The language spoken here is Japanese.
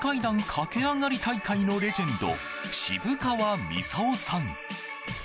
駆け上がり大会のレジェンド、渋川操さん。